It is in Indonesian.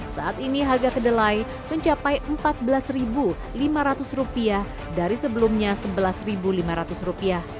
saat ini harga kedelai mencapai rp empat belas lima ratus dari sebelumnya rp sebelas lima ratus